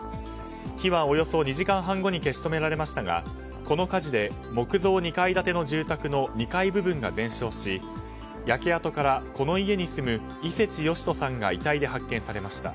火はおよそ２時間半後に消し止められましたがこの火事で木造２階建ての住宅の２階部分が全焼し、焼け跡からこの家に住む伊瀬知芳人さんが遺体で発見されました。